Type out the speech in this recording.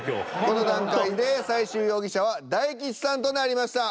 この段階で最終容疑者は大吉さんとなりました。